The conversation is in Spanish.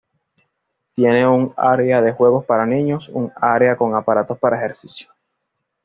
Tiene un área de juegos para niños, un área con aparatos para ejercicio.